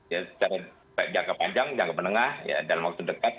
ya secara jangka panjang jangka menengah dalam waktu dekat